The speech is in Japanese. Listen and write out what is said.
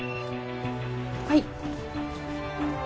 はい。